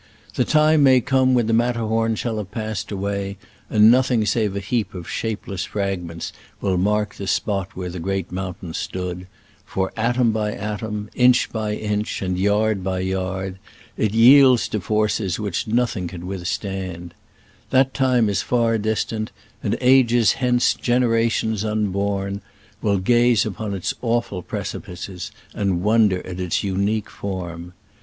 The time may come when the Matterhorn shall have passed away, and nothing save a heap of shapeless frag ments will mark the spot where the great Digitized by Google SCRAMBLES AMONGST THE ALPS IN i86c> '69. l6l mountain stood, for, atom by atom, inch by inch, and yard by yard, it yields to forces which nothing can withstand. That time is far distant, and ages hence generations unborn will gaze upon its awful precipices and wonder at its unique form.